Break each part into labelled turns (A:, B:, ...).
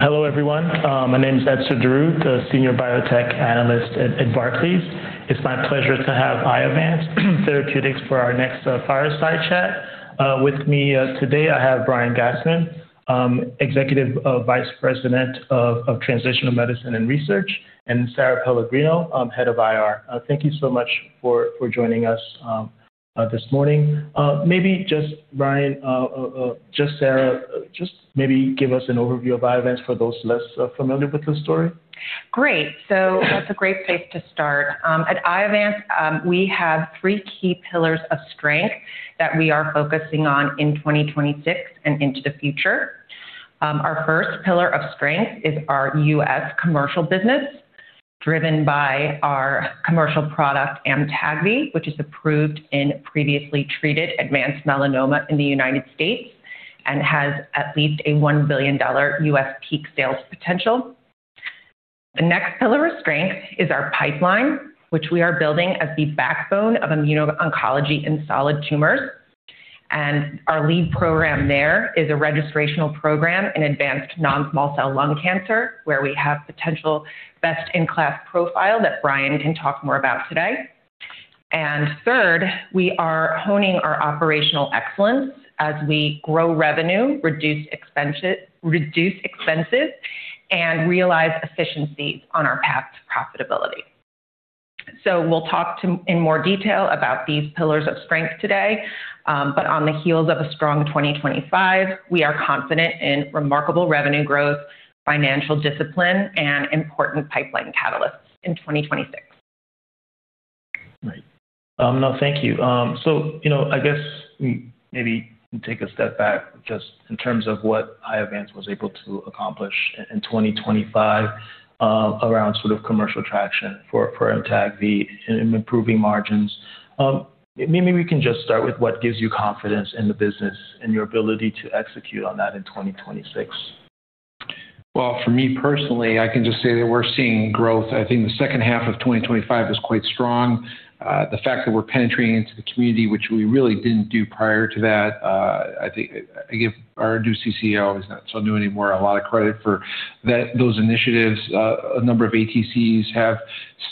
A: Hello, everyone. My name is Gena Wang, the Senior Biotech Analyst at Barclays. It's my pleasure to have Iovance Biotherapeutics for our next fireside chat. With me today, I have Brian Gastman, Executive Vice President of Translational Medicine and Research, and Sara Pellegrino, Head of IR. Thank you so much for joining us this morning. Maybe just Brian, just Sara, give us an overview of Iovance for those less familiar with the story.
B: Great. That's a great place to start. At Iovance, we have three key pillars of strength that we are focusing on in 2026 and into the future. Our first pillar of strength is our U.S. commercial business, driven by our commercial product, Amtagvi, which is approved in previously treated advanced melanoma in the United States and has at least a $1 billion U.S. peak sales potential. The next pillar of strength is our pipeline, which we are building as the backbone of immuno-oncology in solid tumors. Our lead program there is a registrational program in advanced non-small cell lung cancer, where we have potential best-in-class profile that Brian can talk more about today. Third, we are honing our operational excellence as we grow revenue, reduce expenses, and realize efficiencies on our path to profitability. We'll talk in more detail about these pillars of strength today, but on the heels of a strong 2025, we are confident in remarkable revenue growth, financial discipline, and important pipeline catalysts in 2026.
A: Right. No, thank you. You know, I guess maybe take a step back just in terms of what Iovance was able to accomplish in 2025 around sort of commercial traction for Amtagvi and improving margins. Maybe we can just start with what gives you confidence in the business and your ability to execute on that in 2026.
C: Well, for me personally, I can just say that we're seeing growth. I think the second half of 2025 was quite strong. The fact that we're penetrating into the community, which we really didn't do prior to that, I think, I give our new CCO, he's not so new anymore, a lot of credit for that, those initiatives. A number of ATCs have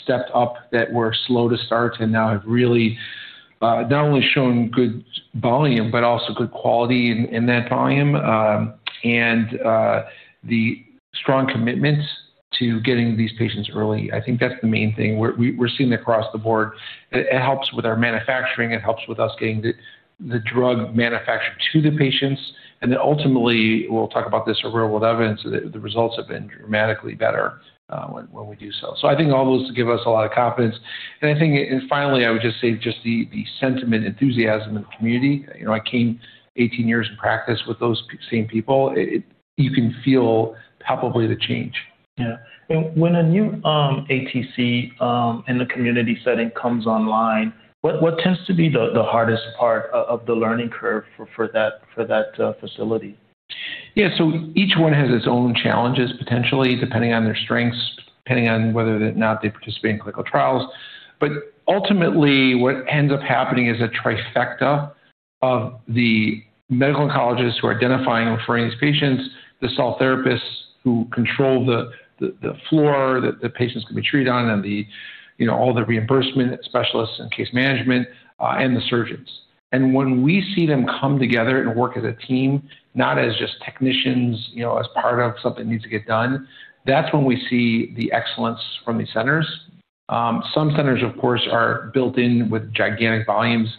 C: stepped up that were slow to start and now have really not only shown good volume, but also good quality in that volume, and the strong commitment to getting these patients early. I think that's the main thing we're seeing across the board. It helps with our manufacturing, it helps with us getting the drug manufactured to the patients. Ultimately, we'll talk about this real-world evidence, the results have been dramatically better when we do so. I think all those give us a lot of confidence. Finally, I would just say just the sentiment, enthusiasm in the community. You know, I came 18 years in practice with those same people. You can feel palpably the change.
A: Yeah. When a new ATC in the community setting comes online, what tends to be the hardest part of the learning curve for that facility?
C: Yeah. Each one has its own challenges, potentially, depending on their strengths, depending on whether or not they participate in clinical trials. Ultimately, what ends up happening is a trifecta of the medical oncologists who are identifying and referring these patients, the cell therapists who control the floor that the patients can be treated on, and, you know, all the reimbursement specialists and case management, and the surgeons. When we see them come together and work as a team, not as just technicians, you know, as part of something needs to get done, that's when we see the excellence from these centers. Some centers, of course, are built in with gigantic volumes,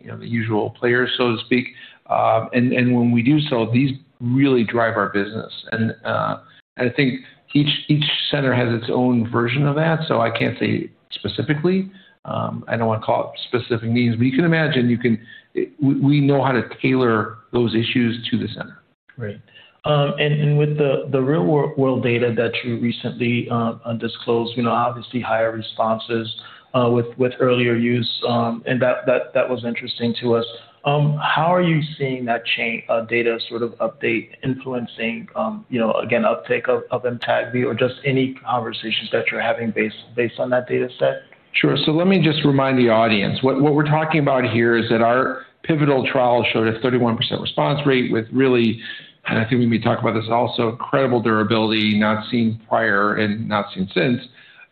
C: you know, the usual players, so to speak. When we do so, these really drive our business. I think each center has its own version of that, so I can't say specifically. I don't want to call out specific needs, but we know how to tailor those issues to the center.
A: Right. With the real-world data that you recently disclosed, you know, obviously higher responses with earlier use, and that was interesting to us. How are you seeing that RWE data sort of update influencing, you know, again, uptake of Amtagvi or just any conversations that you're having based on that data set?
C: Sure. Let me just remind the audience. What we're talking about here is that our pivotal trial showed a 31% response rate with really, and I think we may talk about this also, incredible durability not seen prior and not seen since.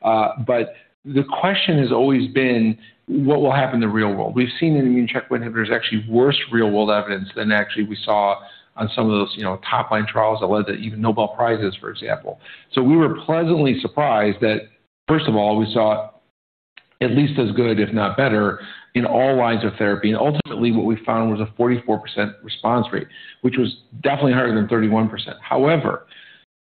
C: But the question has always been what will happen in the real world? We've seen in immune checkpoint inhibitors actually worse real-world evidence than actually we saw on some of those, you know, top-line trials that led to even Nobel Prizes, for example. We were pleasantly surprised that, first of all, we saw at least as good, if not better, in all lines of therapy. Ultimately, what we found was a 44% response rate, which was definitely higher than 31%. However,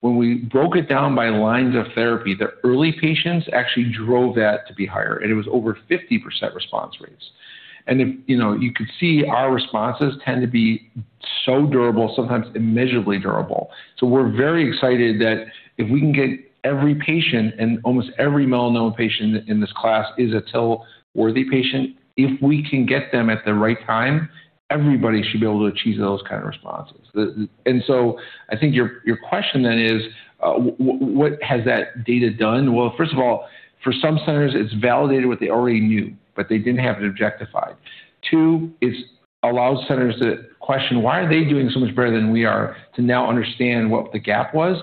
C: when we broke it down by lines of therapy, the early patients actually drove that to be higher, and it was over 50% response rates. If, you know, you could see our responses tend to be so durable, sometimes immeasurably durable. We're very excited that if we can get every patient, and almost every melanoma patient in this class is a TIL-worthy patient, if we can get them at the right time, everybody should be able to achieve those kind of responses. I think your question then is, what has that data done? Well, first of all, for some centers, it's validated what they already knew, but they didn't have it objectified. Two, it allows centers to question why are they doing so much better than we are to now understand what the gap was.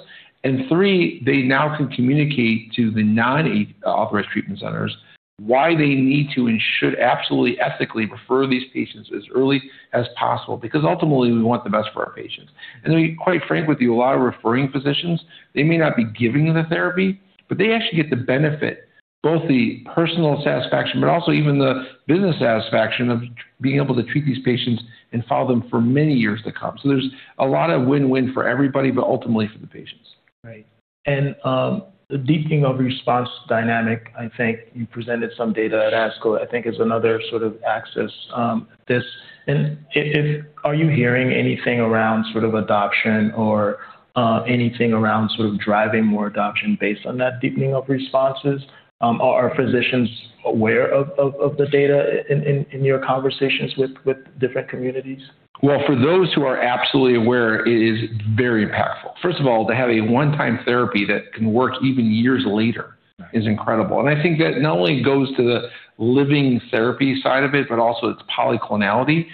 C: Three, they now can communicate to the non-authorized treatment centers why they need to and should absolutely ethically refer these patients as early as possible, because ultimately we want the best for our patients. To be quite frank with you, a lot of referring physicians, they may not be giving the therapy, but they actually get the benefit, both the personal satisfaction but also even the business satisfaction of being able to treat these patients and follow them for many years to come. There's a lot of win-win for everybody, but ultimately for the patients.
A: Right. The deepening of response dynamic, I think you presented some data at ASCO, I think is another sort of axis. Are you hearing anything around sort of adoption or anything around sort of driving more adoption based on that deepening of responses? Are physicians aware of the data in your conversations with different communities?
C: Well, for those who are absolutely aware, it is very impactful. First of all, to have a one-time therapy that can work even years later is incredible. I think that not only goes to the living therapy side of it, but also its polyclonal.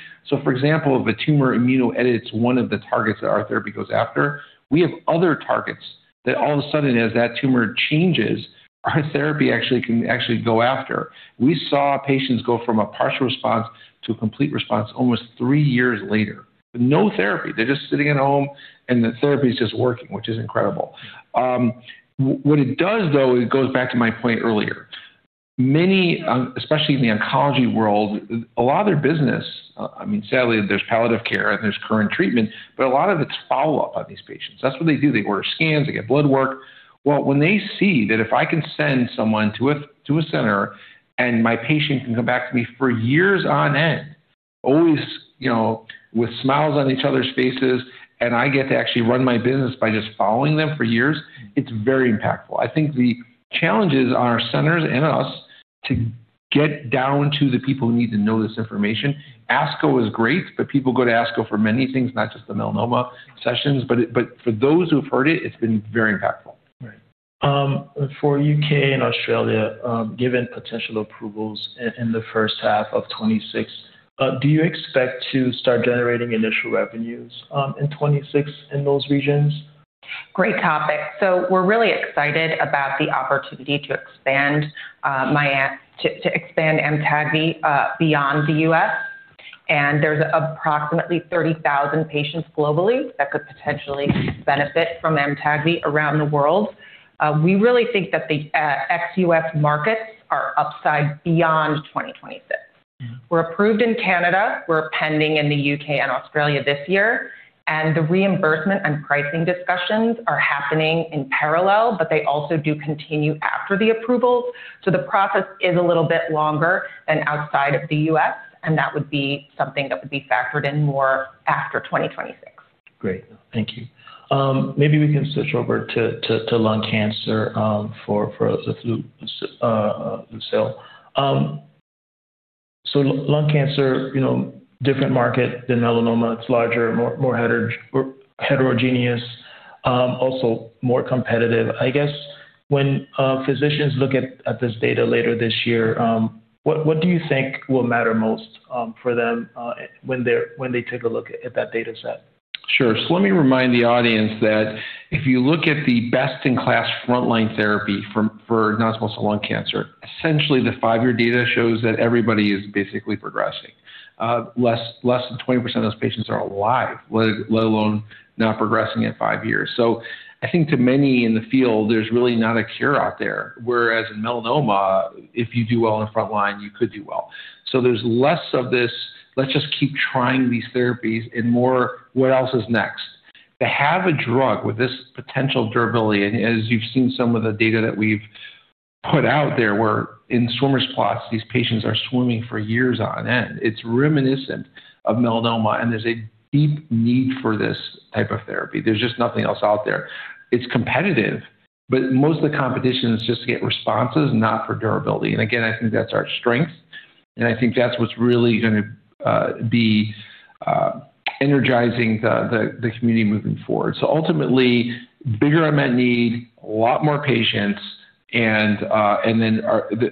C: For example, if a tumor immunoedits one of the targets that our therapy goes after, we have other targets that all of a sudden, as that tumor changes, our therapy actually can go after. We saw patients go from a partial response to a complete response almost three years later. No therapy. They're just sitting at home and the therapy is just working, which is incredible. What it does, though, it goes back to my point earlier. Many, especially in the oncology world, a lot of their business, I mean, sadly, there's palliative care and there's current treatment, but a lot of it's follow-up on these patients. That's what they do. They order scans, they get blood work. Well, when they see that if I can send someone to a center and my patient can come back to me for years on end, always, you know, with smiles on each other's faces, and I get to actually run my business by just following them for years, it's very impactful. I think the challenges are centers and us to get down to the people who need to know this information. ASCO is great, but people go to ASCO for many things, not just the melanoma sessions, but for those who've heard it's been very impactful.
A: Right. For U.K. and Australia, given potential approvals in the first half of 2026, do you expect to start generating initial revenues in 2026 in those regions?
B: Great topic. We're really excited about the opportunity to expand Amtagvi beyond the U.S. There's approximately 30,000 patients globally that could potentially benefit from Amtagvi around the world. We really think that the ex-U.S. markets are upside beyond 2026. We're approved in Canada, we're pending in the U.K. and Australia this year, and the reimbursement and pricing discussions are happening in parallel, but they also do continue after the approvals. The process is a little bit longer than outside of the U.S., and that would be something that would be factored in more after 2026.
A: Great. Thank you. Maybe we can switch over to lung cancer for lifileucel. Lung cancer, you know, different market than melanoma. It's larger, more heterogeneous, also more competitive. I guess when physicians look at this data later this year, what do you think will matter most for them when they take a look at that data set?
C: Sure. Let me remind the audience that if you look at the best-in-class frontline therapy for non-small cell lung cancer, essentially the 5-year data shows that everybody is basically progressing. Less than 20% of those patients are alive, let alone not progressing at 5 years. I think to many in the field, there's really not a cure out there, whereas in melanoma, if you do well in the front line, you could do well. There's less of this, "Let's just keep trying these therapies," and more, "What else is next?" To have a drug with this potential durability, and as you've seen some of the data that we've put out there, where in swimmer plots, these patients are swimming for years on end. It's reminiscent of melanoma, and there's a deep need for this type of therapy. There's just nothing else out there. It's competitive, but most of the competition is just to get responses, not for durability. Again, I think that's our strength. I think that's what's really gonna be energizing the community moving forward. Ultimately, bigger unmet need, a lot more patients, and then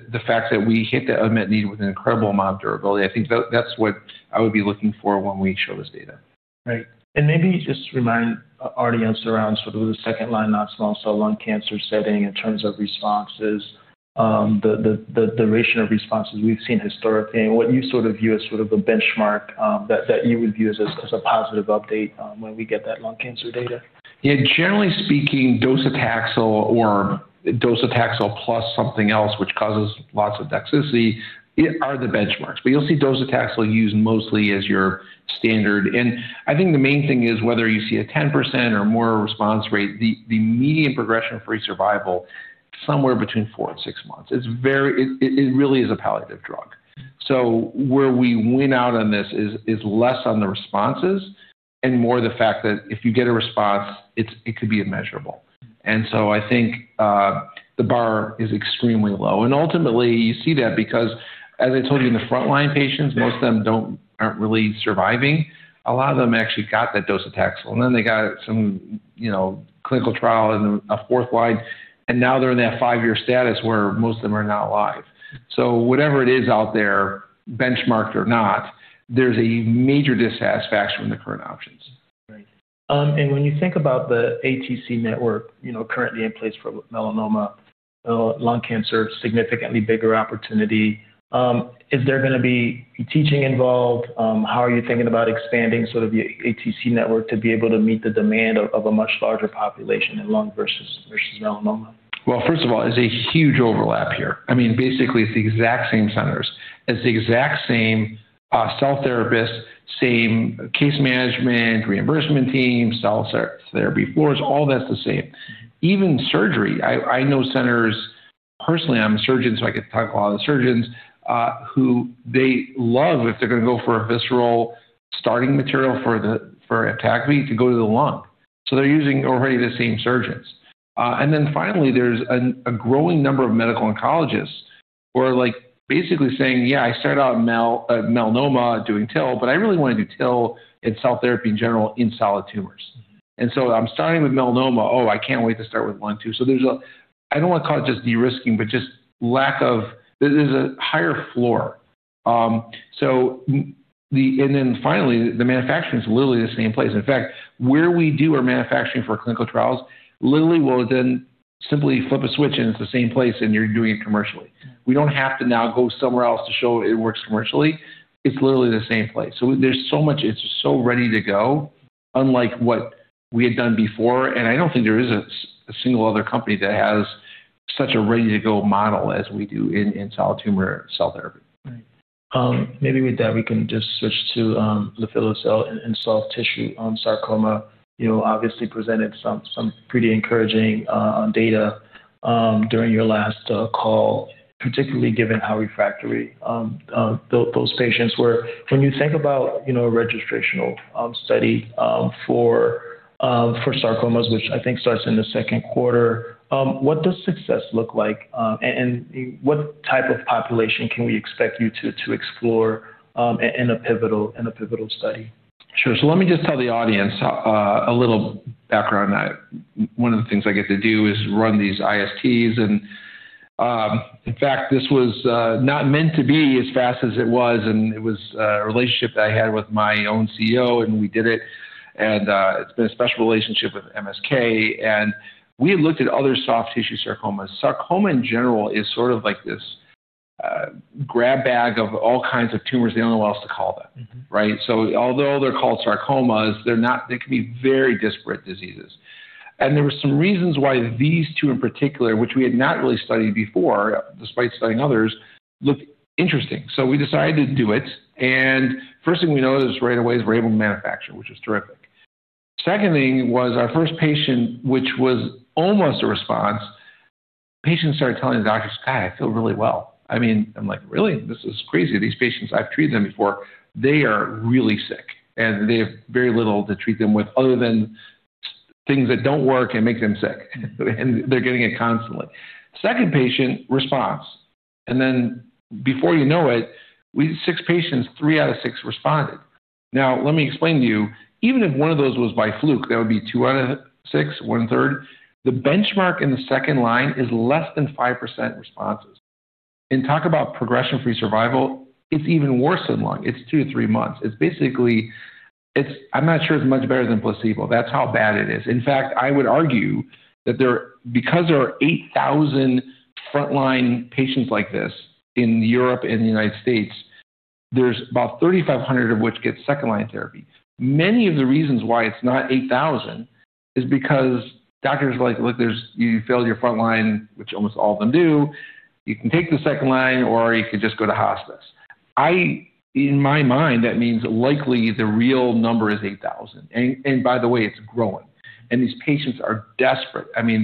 C: the fact that we hit the unmet need with an incredible amount of durability. I think that's what I would be looking for when we show this data.
A: Right. Maybe just remind our audience around sort of the second-line non-small cell lung cancer setting in terms of responses, the duration of responses we've seen historically and what you sort of view as sort of a benchmark, that you would view as a positive update, when we get that lung cancer data.
C: Yeah. Generally speaking, docetaxel or docetaxel plus something else, which causes lots of toxicity, are the benchmarks. You'll see docetaxel used mostly as your standard. I think the main thing is whether you see a 10% or more response rate, the median progression-free survival, somewhere between 4 and 6 months. It really is a palliative drug. Where we win out on this is less on the responses and more the fact that if you get a response, it could be immeasurable. I think the bar is extremely low. Ultimately, you see that because, as I told you in the frontline patients, most of them don't, aren't really surviving. A lot of them actually got that docetaxel, and then they got some, you know, clinical trial in a fourth line, and now they're in that five-year status where most of them are not alive. Whatever it is out there, benchmarked or not, there's a major dissatisfaction with the current options.
A: Right. When you think about the ATC network, you know, currently in place for melanoma, lung cancer, significantly bigger opportunity, is there gonna be teaching involved? How are you thinking about expanding sort of your ATC network to be able to meet the demand of a much larger population in lung versus melanoma?
C: Well, first of all, there's a huge overlap here. I mean, basically, it's the exact same centers. It's the exact same, cell therapist, same case management, reimbursement team, cell therapy floors, all that's the same. Even surgery. I know centers personally, I'm a surgeon, so I get to talk to a lot of the surgeons, who they love if they're gonna go for a visceral starting material for the, for Amtagvi to go to the lung. So they're using already the same surgeons. And then finally, there's a growing number of medical oncologists who are, like, basically saying, "Yeah, I started out melanoma doing TIL, but I really wanna do TIL and cell therapy in general in solid tumors. And so I'm starting with melanoma. Oh, I can't wait to start with lung, too." So there's a I don't wanna call it just de-risking, but just lack of. There's a higher floor. Finally, the manufacturing is literally the same place. In fact, where we do our manufacturing for clinical trials literally will then simply flip a switch, and it's the same place, and you're doing it commercially. We don't have to now go somewhere else to show it works commercially. It's literally the same place. There's so much. It's so ready to go, unlike what we had done before, and I don't think there is a single other company that has such a ready-to-go model as we do in solid tumor cell therapy.
A: Right. Maybe with that, we can just switch to lifileucel in soft tissue sarcoma, you know, obviously presented some pretty encouraging data during your last call, particularly given how refractory those patients were. When you think about, you know, a registrational study for sarcomas, which I think starts in the second quarter, what does success look like? What type of population can we expect you to explore in a pivotal study?
C: Sure. Let me just tell the audience a little background. One of the things I get to do is run these ISTs, and, in fact, this was not meant to be as fast as it was, and it was a relationship that I had with my own CEO, and we did it. It's been a special relationship with MSK. We had looked at other soft tissue sarcomas. Sarcoma, in general, is sort of like this grab bag of all kinds of tumors. They don't know what else to call them.
A: Mm-hmm.
C: Right? Although they're called sarcomas, they're not. They can be very disparate diseases. There were some reasons why these two in particular, which we had not really studied before, despite studying others, looked interesting. We decided to do it, and first thing we noticed right away is we're able to manufacture, which is terrific. Second thing was our first patient, which was almost a response. Patients started telling the doctors, "God, I feel really well." I mean, I'm like, really? This is crazy. These patients, I've treated them before. They are really sick, and they have very little to treat them with other than things that don't work and make them sick, and they're getting it constantly. Second patient response. Then before you know it, we six patients, 3 out of 6 responded. Now, let me explain to you, even if one of those was by fluke, that would be 2 out of 6, one-third. The benchmark in the second line is less than 5% responses. Talk about progression-free survival, it's even worse than lung. It's 2-3 months. It's basically. I'm not sure it's much better than placebo. That's how bad it is. In fact, I would argue that because there are 8,000 frontline patients like this in Europe and the United States, there's about 3,500 of which get second-line therapy. Many of the reasons why it's not 8,000 is because doctors are like, "Look, you failed your frontline," which almost all of them do. "You can take the second line, or you could just go to hospice." In my mind, that means likely the real number is 8,000. By the way, it's growing. These patients are desperate. I mean,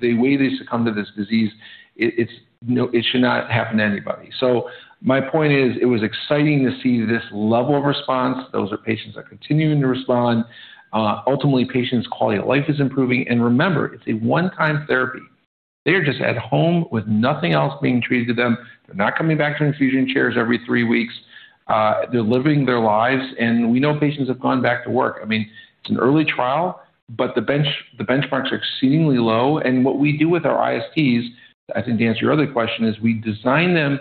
C: the way they succumb to this disease, it should not happen to anybody. My point is, it was exciting to see this level of response. Those are patients that are continuing to respond. Ultimately, patients' quality of life is improving. Remember, it's a one-time therapy. They are just at home with nothing else being treated to them. They're not coming back to infusion chairs every three weeks. They're living their lives, and we know patients have gone back to work. I mean, it's an early trial, but the benchmarks are exceedingly low. What we do with our ISTs, I think to answer your other question, is we design them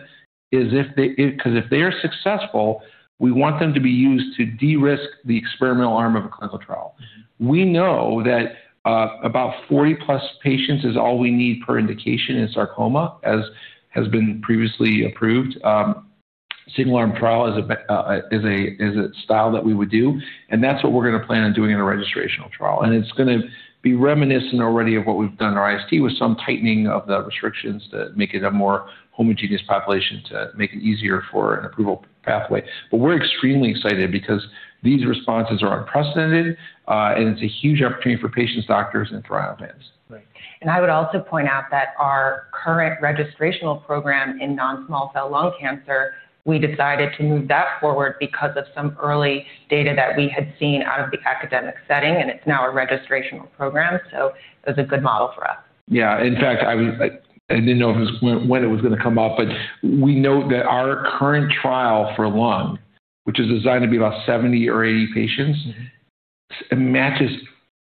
C: as if they. 'Cause if they are successful, we want them to be used to de-risk the experimental arm of a clinical trial. We know that about 40+ patients is all we need per indication in sarcoma, as has been previously approved. Single-arm trial is a style that we would do, and that's what we're gonna plan on doing in a registrational trial. It's gonna be reminiscent already of what we've done in our IST with some tightening of the restrictions to make it a more homogeneous population to make it easier for an approval pathway. We're extremely excited because these responses are unprecedented, and it's a huge opportunity for patients, doctors, and trial fans.
A: Right.
C: I would also point out that our current registrational program in non-small cell lung cancer, we decided to move that forward because of some early data that we had seen out of the academic setting, and it's now a registrational program, so it was a good model for us. Yeah. In fact, I didn't know if it was when it was gonna come up, but we know that our current trial for lung, which is designed to be about 70 or 80 patients, it matches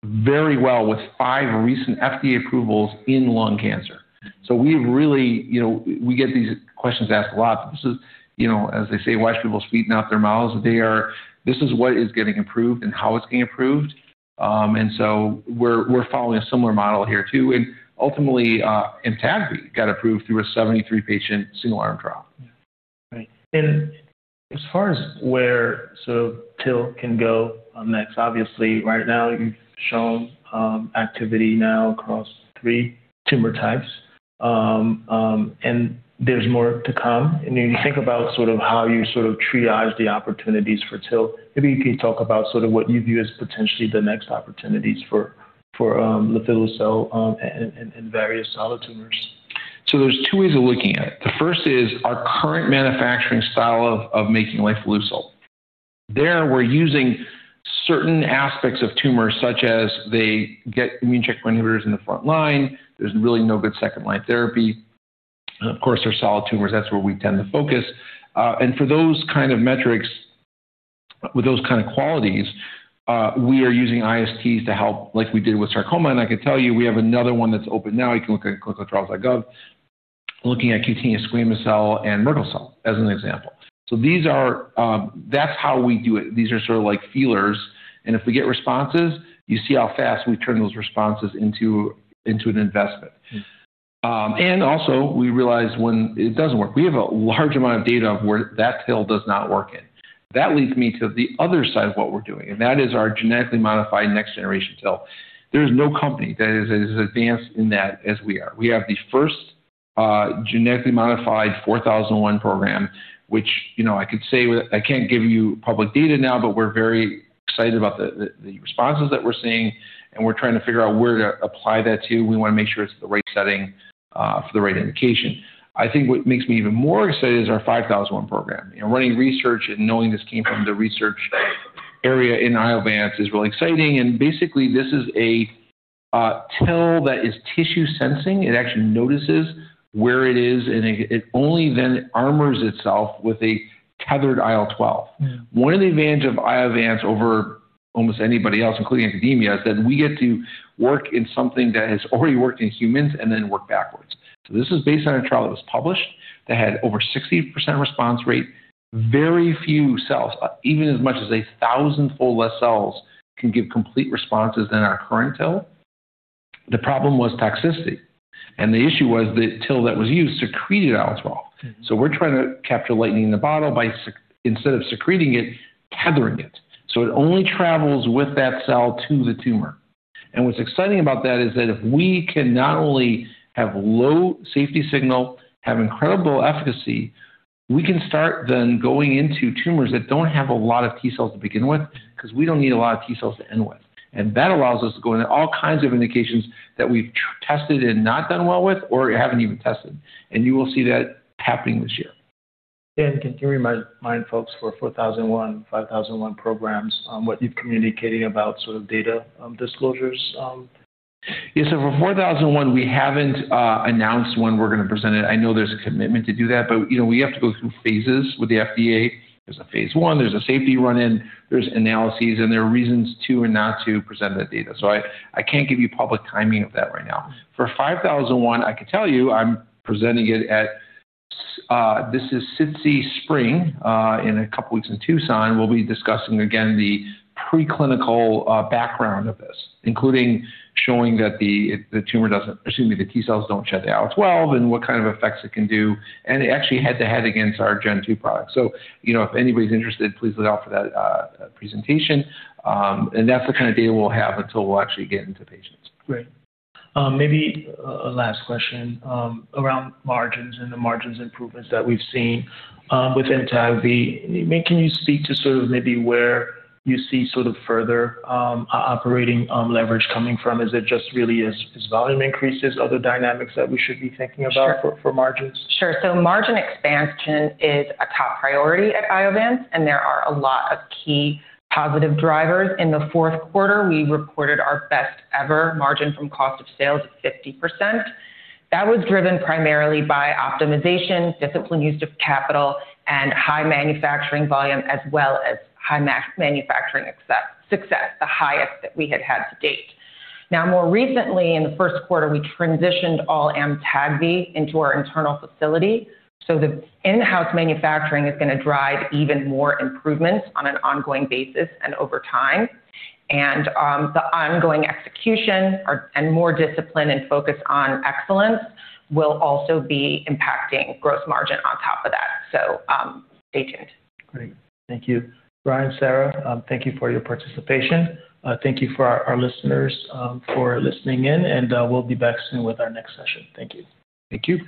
C: very well with 5 recent FDA approvals in lung cancer. So we've really, you know, we get these questions asked a lot. This is, you know, as they say, watch people sweeten up their mouths. They are. This is what is getting approved and how it's being approved. We're following a similar model here too, and ultimately, Amtagvi got approved through a 73-patient single-arm trial.
A: Yeah. Right. As far as where TIL can go on next, obviously right now you've shown activity now across three tumor types. There's more to come. When you think about sort of how you sort of triage the opportunities for TIL, maybe you can talk about sort of what you view as potentially the next opportunities for lifileucel in various solid tumors.
C: There's two ways of looking at it. The first is our current manufacturing style of making lifileucel. There, we're using certain aspects of tumors, such as they get immune checkpoint inhibitors in the front line. There's really no good second-line therapy. Of course, they're solid tumors. That's where we tend to focus. For those kind of metrics with those kind of qualities, we are using ISTs to help like we did with sarcoma, and I can tell you we have another one that's open now. You can look at ClinicalTrials.gov, looking at cutaneous squamous cell and Merkel cell as an example. These are, that's how we do it. These are sort of like feelers, and if we get responses, you see how fast we turn those responses into an investment. And also we realize when it doesn't work. We have a large amount of data of where that TIL does not work in. That leads me to the other side of what we're doing, and that is our genetically modified next generation TIL. There is no company that is as advanced in that as we are. We have the first genetically modified IOV-4001 program, which, you know, I could say I can't give you public data now, but we're very excited about the responses that we're seeing, and we're trying to figure out where to apply that to. We wanna make sure it's the right setting for the right indication. I think what makes me even more excited is our IOV-5001 program. You know, running research and knowing this came from the research area in Iovance is really exciting. Basically, this is a TIL that is tissue sensing. It actually notices where it is, and it only then armors itself with a tethered IL-12.
A: Mm-hmm.
C: One of the advantage of Iovance over almost anybody else, including academia, is that we get to work in something that has already worked in humans and then work backwards. This is based on a trial that was published that had over 60% response rate. Very few cells, even as much as a thousand-fold less cells can give complete responses than our current TIL. The problem was toxicity, and the issue was the TIL that was used secreted IL-12.
A: Mm-hmm.
C: We're trying to capture lightning in the bottle by, instead of secreting it, tethering it so it only travels with that cell to the tumor. What's exciting about that is that if we can not only have low safety signal, have incredible efficacy, we can start then going into tumors that don't have a lot of T-cells to begin with because we don't need a lot of T-cells to end with. That allows us to go into all kinds of indications that we've tested and not done well with or haven't even tested. You will see that happening this year.
A: Can you remind folks for IOV-4001, IOV-5001 programs, what you're communicating about, sort of data, disclosures?
C: Yeah. For IOV-4001, we haven't announced when we're gonna present it. I know there's a commitment to do that, but, you know, we have to go through phases with the FDA. There's a phase 1, there's a safety run-in, there's analyses, and there are reasons to and not to present that data. I can't give you public timing of that right now. For IOV-5001, I can tell you I'm presenting it at this is SITC Spring in a couple weeks in Tucson. We'll be discussing again the preclinical background of this, including showing that the T-cells don't shed the IL-12 and what kind of effects it can do. Actually head to head against our Gen 2 product. you know, if anybody's interested, please look out for that presentation. That's the kind of data we'll have until we actually get into patients.
A: Great. Maybe a last question around margins and the margin improvements that we've seen with Amtagvi. Can you speak to sort of maybe where you see sort of further operating leverage coming from? Is it just really as volume increases, other dynamics that we should be thinking about?
B: Sure.
A: For margins?
B: Sure. Margin expansion is a top priority at Iovance, and there are a lot of key positive drivers. In the fourth quarter, we reported our best ever margin from cost of sales at 50%. That was driven primarily by optimization, disciplined use of capital, and high manufacturing volume, as well as high manufacturing acceptance success, the highest that we had had to date. Now, more recently, in the first quarter, we transitioned all Amtagvi into our internal facility, so the in-house manufacturing is gonna drive even more improvements on an ongoing basis and over time. The ongoing execution and more discipline and focus on excellence will also be impacting gross margin on top of that. Stay tuned.
A: Great. Thank you. Brian, Sara, thank you for your participation. Thank you for our listeners for listening in, and we'll be back soon with our next session. Thank you.
C: Thank you.